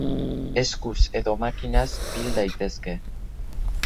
Eskuz edo makinaz bil daitezke.